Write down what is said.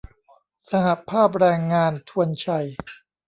สหภาพแรงงานทวนไชย์